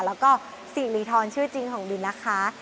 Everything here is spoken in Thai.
แล้วก็สีดีทอเลียชื่อจริงของบิ๊นนะคะ